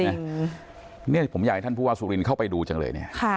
เนี่ยผมอยากให้ท่านผู้ว่าสุรินเข้าไปดูจังเลยเนี่ย